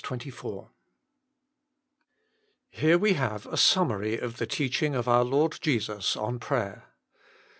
TTERE we have a summary of the teaching of our Lord Jesus on prayer.